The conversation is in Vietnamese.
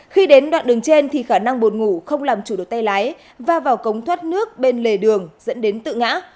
khi đến đoạn đường trên thì khả năng buồn ngủ không làm chủ được tay lái và vào cống thoát nước bên lề đường dẫn đến tự ngã